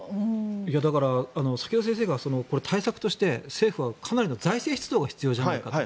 先ほど先生が対策として政府はかなりの財政出動が必要じゃないかと。